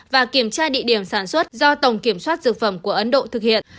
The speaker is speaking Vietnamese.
và kiểm tra địa điểm sản xuất do tổng kiểm soát dược phẩm của ấn độ thực hiện